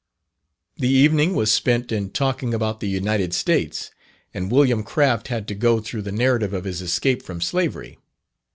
The evening was spent in talking about the United States; and William Craft had to go through the narrative of his escape from slavery.